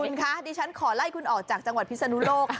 คุณคะดิฉันขอไล่คุณออกจากจังหวัดพิศนุโลก